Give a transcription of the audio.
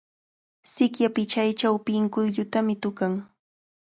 Sikya pichaychaw pinkullutami tukan.